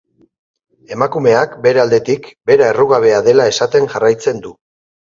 Emakumeak, bere aldetik, bera errugabea dela esaten jarraitzen du.